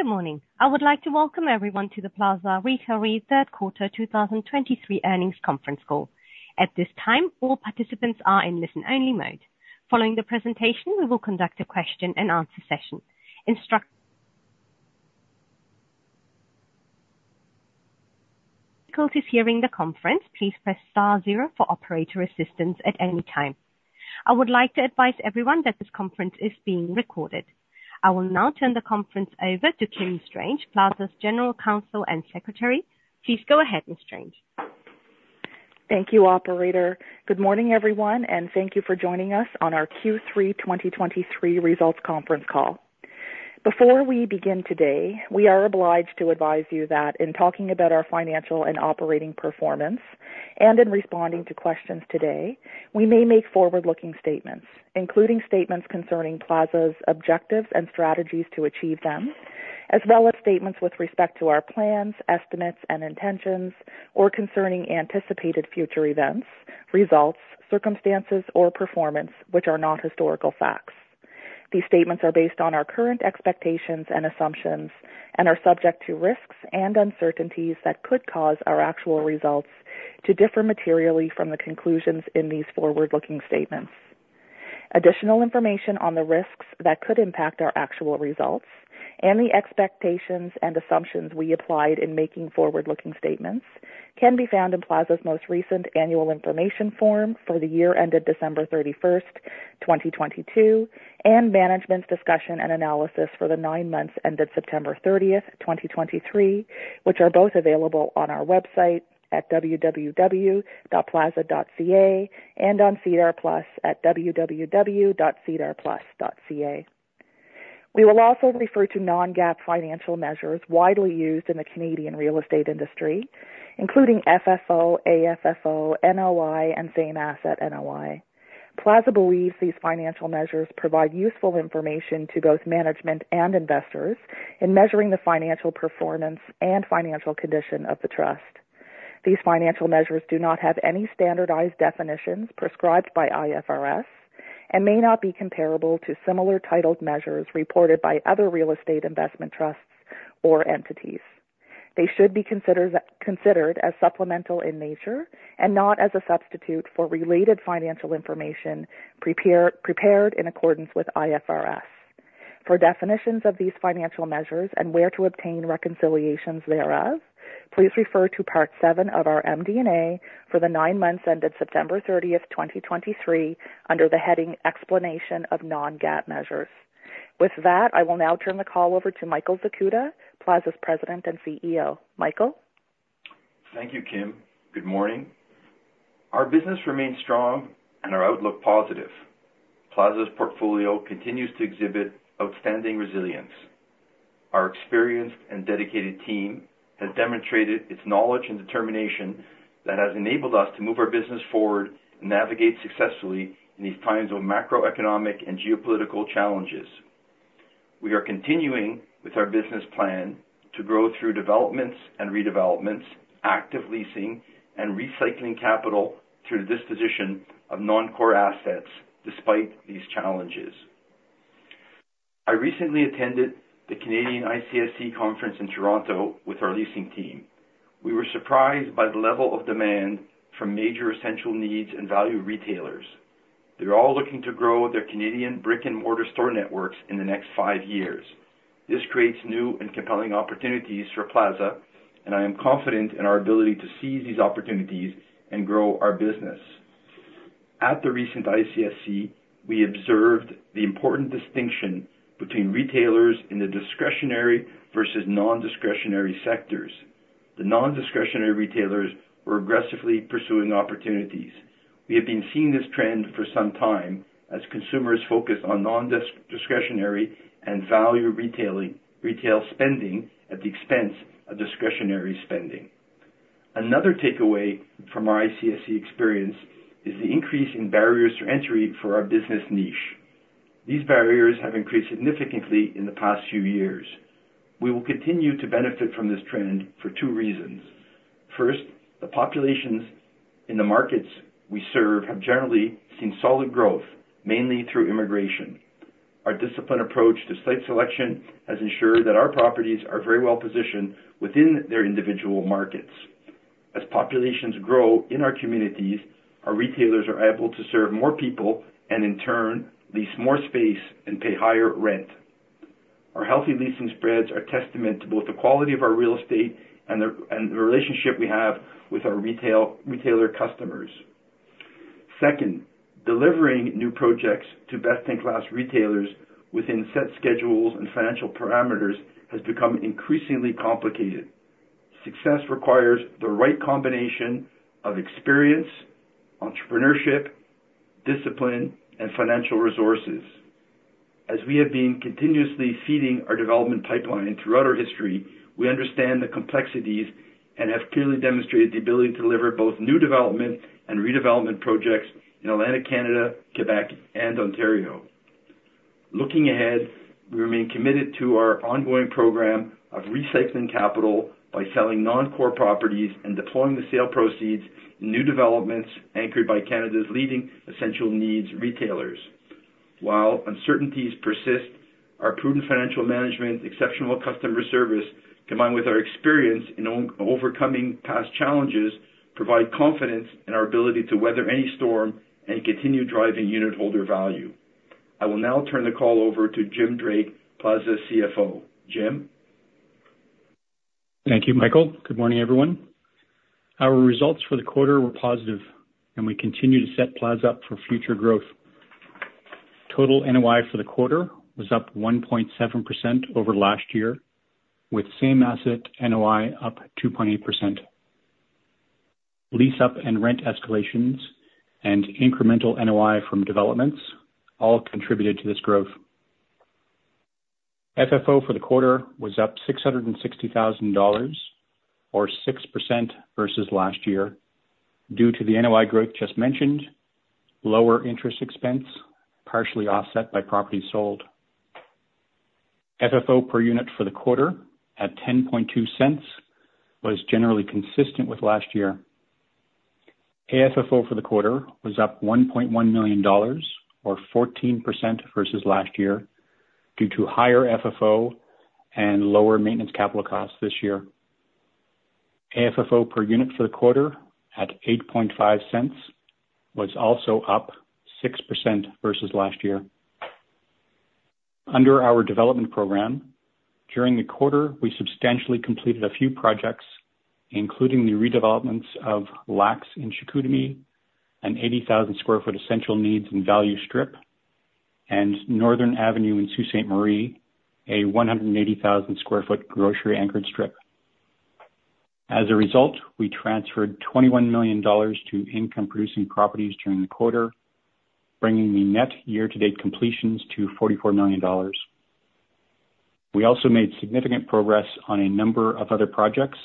Good morning. I would like to welcome everyone to the Plaza Retail REIT third quarter 2023 earnings conference call. At this time, all participants are in listen-only mode. Following the presentation, we will conduct a question-and-answer session. If you have difficulties hearing the conference, please press star zero for operator assistance at any time. I would like to advise everyone that this conference is being recorded. I will now turn the conference over to Kim Strange, Plaza's General Counsel and Secretary. Please go ahead, Ms. Strange. Thank you, operator. Good morning, everyone, and thank you for joining us on our Q3 2023 results conference call. Before we begin today, we are obliged to advise you that in talking about our financial and operating performance and in responding to questions today, we may make forward-looking statements, including statements concerning Plaza's objectives and strategies to achieve them, as well as statements with respect to our plans, estimates, and intentions, or concerning anticipated future events, results, circumstances, or performance, which are not historical facts. These statements are based on our current expectations and assumptions and are subject to risks and uncertainties that could cause our actual results to differ materially from the conclusions in these forward-looking statements. Additional information on the risks that could impact our actual results and the expectations and assumptions we applied in making forward-looking statements can be found in Plaza's most recent Annual Information Form for the year ended December 31, 2022, and Management's Discussion and Analysis for the nine months ended September 30, 2023, which are both available on our website at www.plaza.ca and on SEDAR+ at www.sedarplus.ca. We will also refer to non-GAAP financial measures widely used in the Canadian real estate industry, including FFO, AFFO, NOI, and Same-Asset NOI. Plaza believes these financial measures provide useful information to both management and investors in measuring the financial performance and financial condition of the trust. These financial measures do not have any standardized definitions prescribed by IFRS and may not be comparable to similar titled measures reported by other real estate investment trusts or entities. They should be considered as supplemental in nature and not as a substitute for related financial information prepared in accordance with IFRS. For definitions of these financial measures and where to obtain reconciliations thereof, please refer to part seven of our MD&A for the nine months ended September 30, 2023, under the heading Explanation of Non-GAAP Measures. With that, I will now turn the call over to Michael Zakuta, Plaza's President and CEO. Michael? Thank you, Kim. Good morning. Our business remains strong and our outlook positive. Plaza's portfolio continues to exhibit outstanding resilience. Our experienced and dedicated team has demonstrated its knowledge and determination that has enabled us to move our business forward and navigate successfully in these times of macroeconomic and geopolitical challenges. We are continuing with our business plan to grow through developments and redevelopments, active leasing, and recycling capital through disposition of non-core assets despite these challenges. I recently attended the Canadian ICSC conference in Toronto with our leasing team. We were surprised by the level of demand from major essential needs and value retailers. They're all looking to grow their Canadian brick-and-mortar store networks in the next five years. This creates new and compelling opportunities for Plaza, and I am confident in our ability to seize these opportunities and grow our business. At the recent ICSC, we observed the important distinction between retailers in the discretionary versus non-discretionary sectors. The non-discretionary retailers were aggressively pursuing opportunities. We have been seeing this trend for some time as consumers focus on non-discretionary and value retailing, retail spending at the expense of discretionary spending. Another takeaway from our ICSC experience is the increase in barriers to entry for our business niche. These barriers have increased significantly in the past few years. We will continue to benefit from this trend for two reasons: First, the populations in the markets we serve have generally seen solid growth, mainly through immigration. Our disciplined approach to site selection has ensured that our properties are very well positioned within their individual markets. As populations grow in our communities, our retailers are able to serve more people and, in turn, lease more space and pay higher rent. Our healthy leasing spreads are testament to both the quality of our real estate and the relationship we have with our retail, retailer customers. Second, delivering new projects to best-in-class retailers within set schedules and financial parameters has become increasingly complicated. Success requires the right combination of experience, entrepreneurship, discipline, and financial resources. As we have been continuously feeding our development pipeline throughout our history, we understand the complexities and have clearly demonstrated the ability to deliver both new development and redevelopment projects in Atlantic Canada, Quebec, and Ontario. Looking ahead, we remain committed to our ongoing program of recycling capital by selling non-core properties and deploying the sale proceeds in new developments anchored by Canada's leading essential needs retailers. While uncertainties persist, our prudent financial management, exceptional customer service, combined with our experience in overcoming past challenges, provide confidence in our ability to weather any storm and continue driving unitholder value. I will now turn the call over to Jim Drake, Plaza CFO. Jim? Thank you, Michael. Good morning, everyone. Our results for the quarter were positive, and we continue to set Plaza up for future growth. Total NOI for the quarter was up 1.7% over last year, with Same-Asset NOI up 2.8%. Lease up and rent escalations and incremental NOI from developments all contributed to this growth. FFO for the quarter was up 660,000 dollars, or 6% versus last year, due to the NOI growth just mentioned, lower interest expense, partially offset by properties sold. FFO per unit for the quarter, at 0.102, was generally consistent with last year. AFFO for the quarter was up 1.1 million dollars, or 14% versus last year, due to higher FFO and lower maintenance capital costs this year. AFFO per unit for the quarter, at 0.085, was also up 6% versus last year. Under our development program, during the quarter, we substantially completed a few projects, including the redevelopments of L'Axe in Chicoutimi, an 80,000 sq ft essential needs and value strip, and Northern Avenue in Sault Ste. Marie, a 180,000 sq ft grocery anchored strip. As a result, we transferred 21 million dollars to income producing properties during the quarter, bringing the net year-to-date completions to 44 million dollars. We also made significant progress on a number of other projects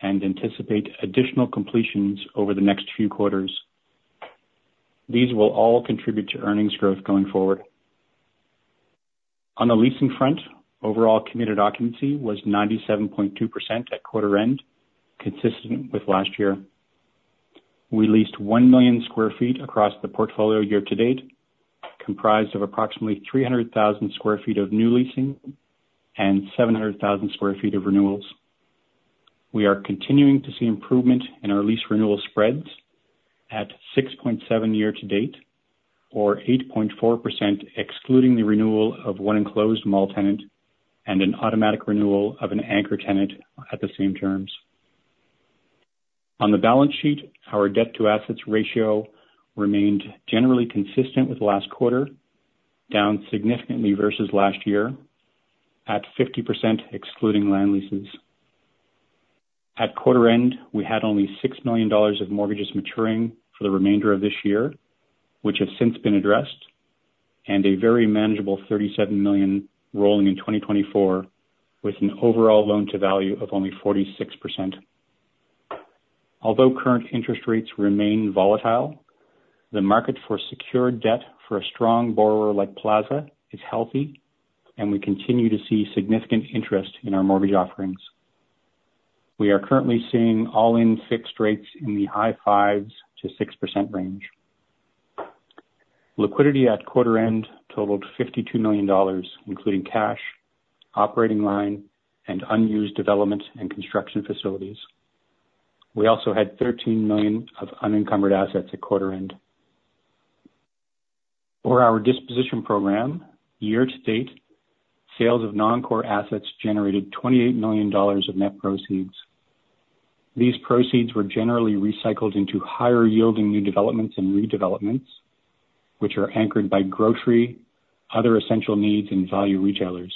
and anticipate additional completions over the next few quarters. These will all contribute to earnings growth going forward. On the leasing front, overall committed occupancy was 97.2% at quarter end, consistent with last year. We leased 1 million sq ft across the portfolio year to date, comprised of approximately 300,000 sq ft of new leasing and 700,000 sq ft of renewals. We are continuing to see improvement in our lease renewal spreads at 6.7% year to date, or 8.4%, excluding the renewal of one enclosed mall tenant and an automatic renewal of an anchor tenant at the same terms. On the balance sheet, our debt to assets ratio remained generally consistent with last quarter, down significantly versus last year, at 50%, excluding land leases. At quarter end, we had only 6 million dollars of mortgages maturing for the remainder of this year, which have since been addressed, and a very manageable 37 million rolling in 2024, with an overall loan to value of only 46%. Although current interest rates remain volatile, the market for secured debt for a strong borrower like Plaza is healthy, and we continue to see significant interest in our mortgage offerings. We are currently seeing all-in fixed rates in the high 5s-6% range. Liquidity at quarter end totaled 52 million dollars, including cash, operating line, and unused development and construction facilities. We also had 13 million of unencumbered assets at quarter end. For our disposition program, year to date, sales of non-core assets generated 28 million dollars of net proceeds. These proceeds were generally recycled into higher yielding new developments and redevelopments, which are anchored by grocery, other essential needs, and value retailers.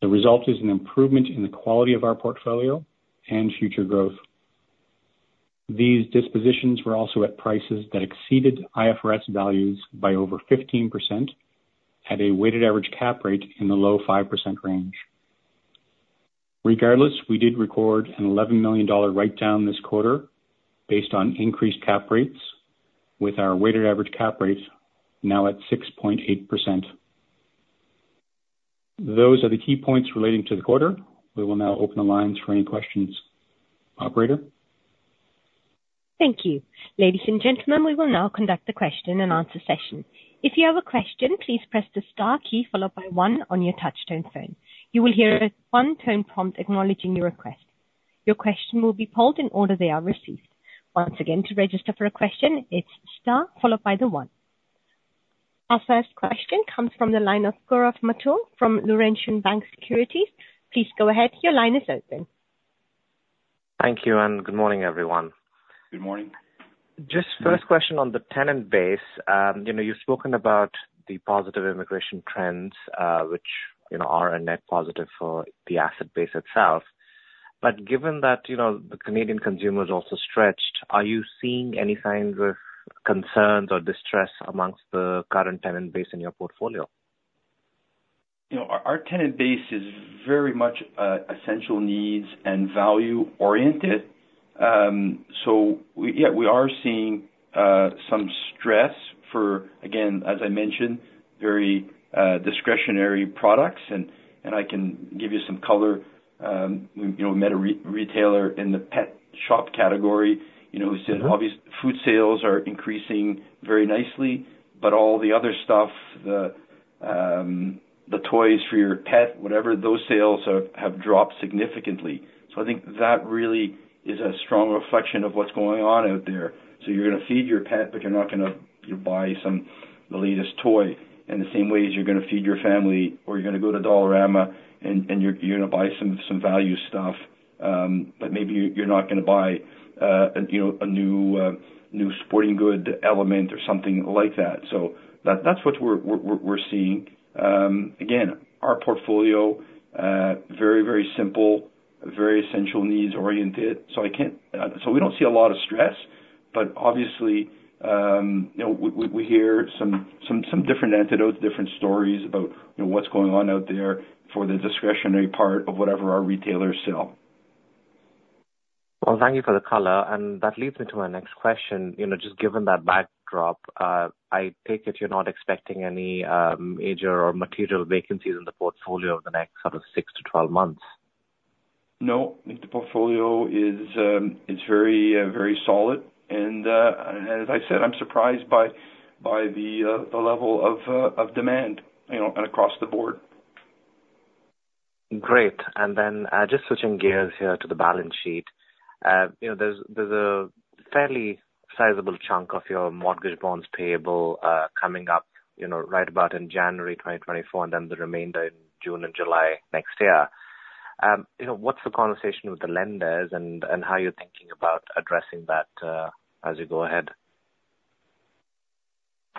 The result is an improvement in the quality of our portfolio and future growth. These dispositions were also at prices that exceeded IFRS values by over 15%, at a weighted average cap rate in the low 5% range. Regardless, we did record a 11 million dollar write-down this quarter based on increased cap rates, with our weighted average cap rates now at 6.8%. Those are the key points relating to the quarter. We will now open the lines for any questions. Operator? Thank you. Ladies and gentlemen, we will now conduct the question and answer session. If you have a question, please press the star key followed by one on your touchtone phone. You will hear a one-tone prompt acknowledging your request. Your question will be pulled in order they are received. Once again, to register for a question, it's star followed by the one. Our first question comes from the line of Gaurav Mathur from Laurentian Bank Securities. Please go ahead. Your line is open. Thank you, and good morning, everyone. Good morning. Just first question on the tenant base. You know, you've spoken about the positive immigration trends, which, you know, are a net positive for the asset base itself. But given that, you know, the Canadian consumer is also stretched, are you seeing any signs of concerns or distress amongst the current tenant base in your portfolio? You know, our tenant base is very much essential needs and value-oriented. So we, yeah, we are seeing some stress for, again, as I mentioned, very discretionary products. And I can give you some color. You know, we met a retailer in the pet shop category, you know- Mm-hmm. Food sales are increasing very nicely, but all the other stuff, the toys for your pet, whatever, those sales have dropped significantly. So I think that really is a strong reflection of what's going on out there. So you're gonna feed your pet, but you're not gonna, you know, buy the latest toy. In the same way as you're gonna feed your family or you're gonna go to Dollarama and you're gonna buy some value stuff, but maybe you're not gonna buy, you know, a new sporting good element or something like that. So that's what we're seeing. Again, our portfolio very, very simple, very essential needs oriented. So we don't see a lot of stress, but obviously, you know, we hear some different anecdotes, different stories about, you know, what's going on out there for the discretionary part of whatever our retailers sell. Well, thank you for the color, and that leads me to my next question. You know, just given that backdrop, I take it you're not expecting any major or material vacancies in the portfolio over the next sort of 6-12 months? No, I think the portfolio is very solid. And, as I said, I'm surprised by the level of demand, you know, and across the board. Great. And then, just switching gears here to the balance sheet. You know, there's, there's a fairly sizable chunk of your mortgage bonds payable, coming up, you know, right about in January 2024, and then the remainder in June and July next year. You know, what's the conversation with the lenders and, and how you're thinking about addressing that, as you go ahead?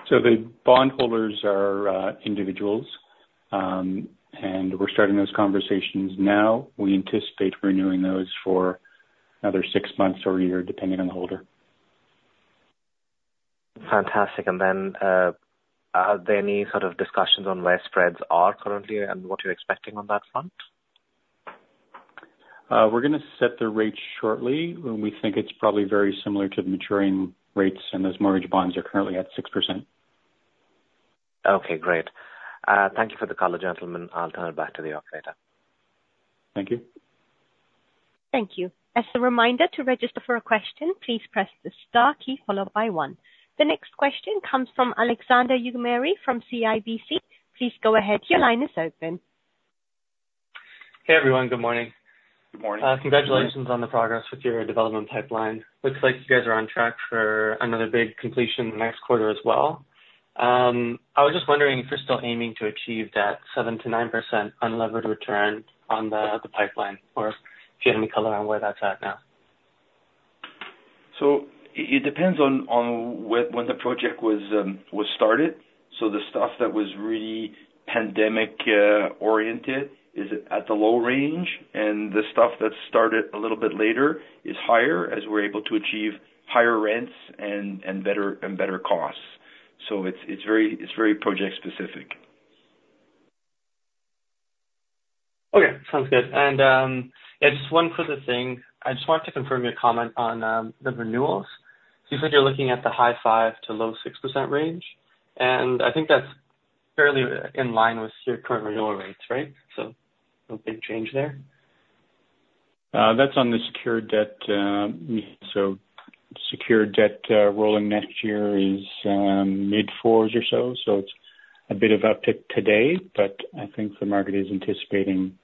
So the bondholders are individuals. We're starting those conversations now. We anticipate renewing those for another six months or a year, depending on the holder. Fantastic. And then, are there any sort of discussions on where spreads are currently and what you're expecting on that front? We're gonna set the rates shortly, and we think it's probably very similar to the maturing rates, and those mortgage bonds are currently at 6%. Okay, great. Thank you for the call, gentlemen. I'll turn it back to the operator. Thank you. Thank you. As a reminder, to register for a question, please press the star key followed by one. The next question comes from Alexandre Eugeni from CIBC. Please go ahead. Your line is open. Hey, everyone. Good morning. Good morning. Congratulations on the progress with your development pipeline. Looks like you guys are on track for another big completion next quarter as well. I was just wondering if you're still aiming to achieve that 7%-9% unlevered return on the, the pipeline, or if you had any color on where that's at now? So it depends on when the project was started. So the stuff that was really pandemic oriented is at the low range, and the stuff that started a little bit later is higher, as we're able to achieve higher rents and better costs. So it's very project specific. Okay. Sounds good. And, yeah, just one further thing. I just wanted to confirm your comment on the renewals. You said you're looking at the 5%-6% range, and I think that's fairly in line with your current renewal rates, right? So no big change there. That's on the secured debt. So secured debt rolling next year is mid-fours or so. So it's a bit of uptick today, but I think the market is anticipating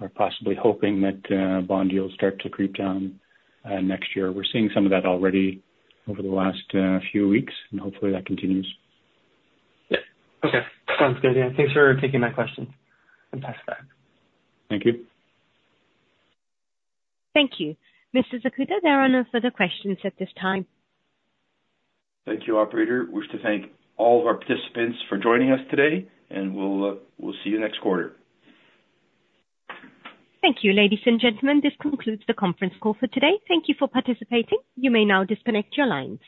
or possibly hoping that bond yields start to creep down next year. We're seeing some of that already over the last few weeks, and hopefully that continues. Yeah. Okay. Sounds good. Yeah, thanks for taking my question, and pass it back. Thank you. Thank you. Mr. Zakuta, there are no further questions at this time. Thank you, operator. We wish to thank all of our participants for joining us today, and we'll, we'll see you next quarter. Thank you, ladies and gentlemen. This concludes the conference call for today. Thank you for participating. You may now disconnect your lines.